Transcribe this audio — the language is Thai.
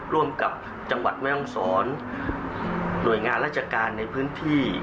ร่วมกับจังหวัดแม่ห้องศรหน่วยงานราชการในพื้นที่